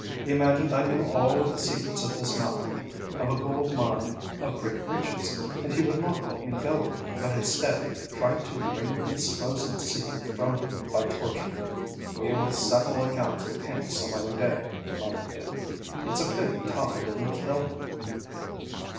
He imagined I knew all of the secrets of this mountain, of a gold mine of great riches, and he would not let me go; but, instead, tried to wring the supposed secret from me by torture." "We will settle accounts with him some day," muttered Dick. "It's a pity Tom didn't kill him."